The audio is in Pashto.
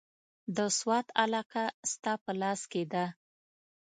د سوات علاقه ستا په لاس کې ده.